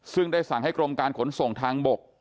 ซึ่งได้สั่งให้กรมการขนส่งทางบก